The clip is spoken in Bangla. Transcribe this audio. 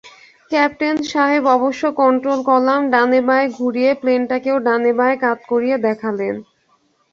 ক্যাপ্টেন সাহেব অবশ্য কন্ট্রোল কলাম ডানে-বাঁয়ে ঘুরিয়ে প্লেনটাকেও ডানে-বাঁয়ে কাত করিয়ে দেখালেন।